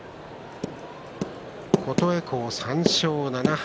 琴恵光、３勝７敗。